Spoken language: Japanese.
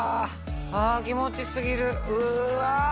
あぁ気持ち過ぎるうわ！